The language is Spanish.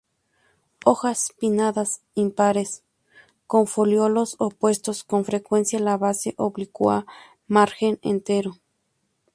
Hojas pinnadas impares; con foliolos opuestos; con frecuencia la base oblicua, margen entero.